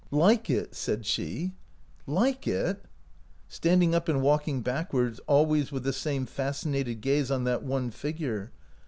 " "Like it!" said she, "like it !" standing up and walking backward, always with the same fascinated gaze on that one figure.